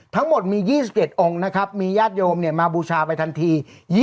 ทั้งหมดมี๒๗องค์นะครับมีญาติโยมมาบูชาไปทันที